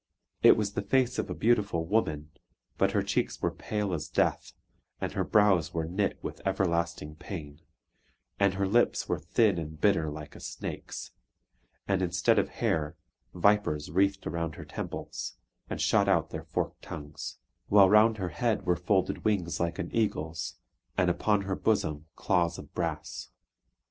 It was the face of a beautiful woman; but her cheeks were pale as death, and her brows were knit with everlasting pain, and her lips were thin and bitter like a snake's; and, instead of hair, vipers wreathed about her temples, and shot out their forked tongues; while round her head were folded wings like an eagle's, and upon her bosom claws of brass.